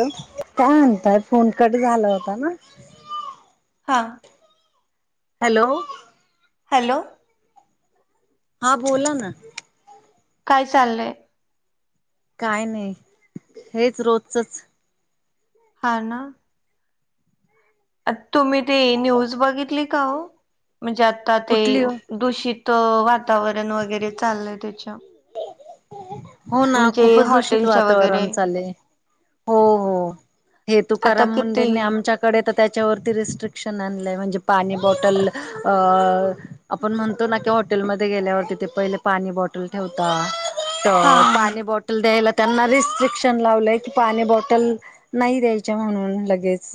Hello! काय म्हणताय phone cut झाला होता ना. हां. हॅलो! हॅलो! हा बोला ना. काय चाललंय? काय नाही हेच रोजचच. हा ना. अत तुम्ही ती न्यूज बघितली का हो? म्हणजे आता ते कुठली दूषित वातावरण वगैरे चाललंय त्याच. हो ना खूपच दूषित हॉटेलच्या वगैरे वातावरण चाले. हो हो आता हेेतुकाराम किती मुंडेंनी आमच्या कडे त त्याच्यावरती रिस्ट्रिक्शन आणलंय म्हणजे पाणी बॉटल अ आपण म्हणतो ना, की हॉटेलमध्ये गेल्यावर तिथे पहिले पाणी बॉटल ठेवता त हा पाणी बॉट [inaudible] द्यायला त्यांना रिस्ट्रिक्शन लावलंय की पाणी बॉटल [inaudible] नाही द्यायच्या म्हणून लगेच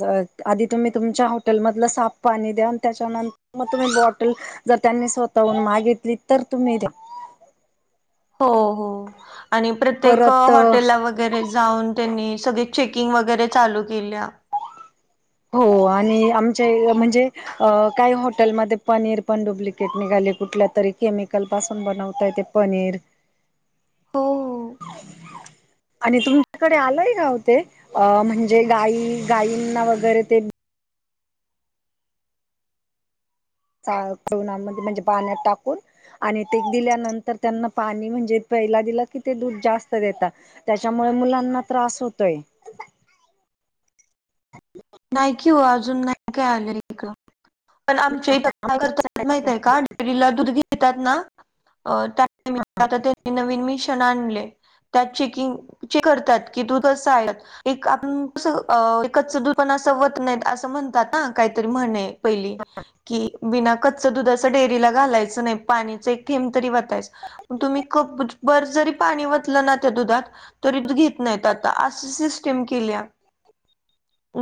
आधी तुम्ही तुमच्या हॉटेलमधलं साफ पाणी द्या त्याच्यानं मग तुम्ही बॉटल जर त्यांनी स्वतःहून मागेतली तर तुम्ही दया. हो हो आणि प्रत्येक परत हॉटेलला वग वगैरे जाऊन त्यांनी सगळे चेकिंग वगैरे चालू केल्या. हो आणि आमच्या म्हणजे अ काही हॉटेलमध्ये पनीर पण डुप्लिकेट निघाले कुठल्या तरी केमिकल पासून बनवता येत पनीर. ह [inaudible] [inaudible] आणि तुमच्याकडे आलंय का हो ते अ म्हणजे गाई गाईंना वगैरे ते चाळ - [unintelligible] चून म्हणजे पाण्यात टाकून. आणि ते दिल्यानंतर त्यांना पाणी म्हणजे प्यायला दील की ते दूध जास्त देता. त्याच्यामुळे मुलांना त्रास होतोय. नाही कि हो अजून नाही काय आले इकड, पण आमच्या इथ काय करतात माहितय का डेअरीला दूध घेतात ना. [inaudible] अ त्यामित आता त्यांनी नवीन मिशन आणले. [inaudible] त्यात चेकिंग चे करतात की दूध असं आहे एक [unintelligible] अ कच्च दूध. पण अस व्हत नाहीत अस म्हणतात ना, काहीतरी म्हण पहिली की. बिना कच्च दूध असं डेअरीला घालायचं नाही पाणीच एक थेंम तरी वतायचं. तुम्ही कप बर जरी पाणी वतलं ना त्या दुधात. तरी त घेत नाहीत आता असं सिस्टेम केल्या.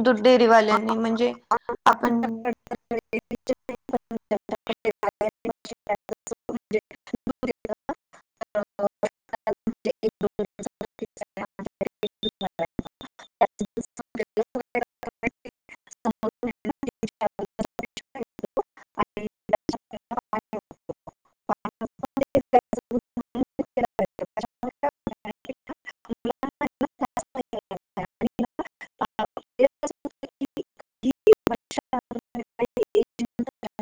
दुधडेरीवाल्यांनी म्हणजे आपण [inaudible] ह [inaudible] [inaudible] ह [inaudible] [inaudible] आणि म आहे [inaudible] [inaudible] [inaudible] येत कस. [inaudible]